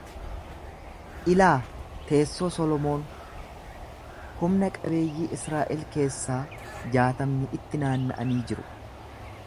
Ilaa, teessoo Solomoon, humna-qabeeyyii Israa'el keessaa jaatamni itti naanna'anii jiru;